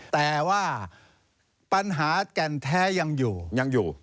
แต่ว่าปัญหาแก่นแท้ยังอยู่